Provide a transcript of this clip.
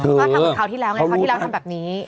ก็ทำอย่างเท่าที่แล้วไงเท่าที่แล้วทำแบบนี้